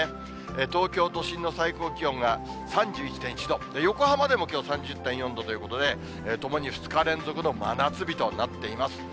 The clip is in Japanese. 東京都心の最高気温が３１．１度、横浜でもきょう、３０．４度ということで、ともに２日連続の真夏日となっています。